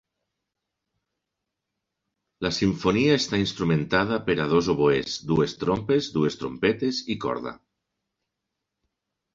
La simfonia està instrumentada per a dos oboès, dues trompes, dues trompetes i corda.